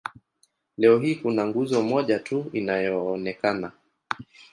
Leo hii kuna nguzo moja tu inayoonekana.